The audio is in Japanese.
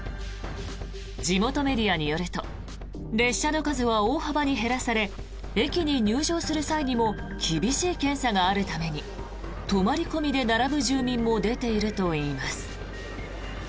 地元メディアによると列車の数は大幅に減らされ駅に入場する際にも厳しい検査があるために泊まり込みで並ぶ住民も出ているといいます。